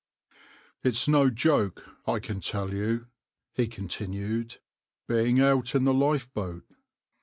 \par "It's no joke, I can tell you," he continued, "being out in the lifeboat.